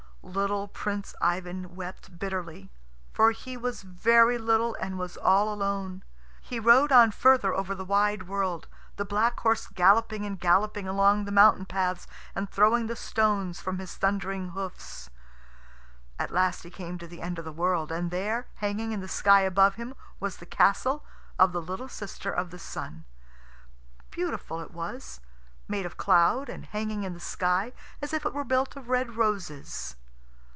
Little Prince Ivan wept bitterly, for he was very little and was all alone. He rode on further over the wide world, the black horse galloping and galloping along the mountain paths, and throwing the stones from his thundering hoofs. At last he came to the end of the world, and there, hanging in the sky above him, was the castle of the little sister of the Sun. Beautiful it was, made of cloud, and hanging in the sky, as if it were built of red roses.